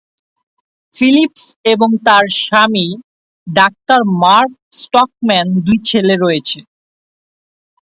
Philips এবং তার স্বামী, ডাক্তার মার্ক স্টকম্যান, দুই ছেলে রয়েছে।